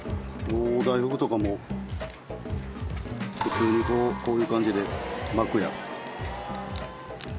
大福とかも普通にこういう感じで巻く。